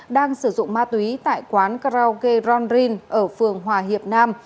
đang sử dụng ma túy tại quán karaoke ron dren ở phường hòa hiệp nam